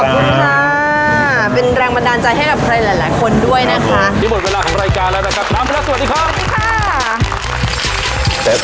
ขอบคุณล่ะเป็นแรงบันดาลใจให้กับใครหลายคนด้วยนะคะ